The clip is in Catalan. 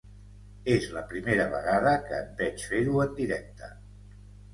És la primera vegada que et veig fer-ho en directe.